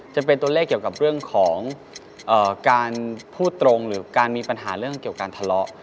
จะเป็นตัวเลขเกี่ยวกับเรื่องของการพูดตรงหรือการมีปัญหาเรื่องเกี่ยวการทะเลาะ